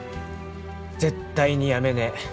絶対に辞めねえ。